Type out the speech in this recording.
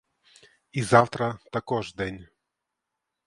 І завтра також день.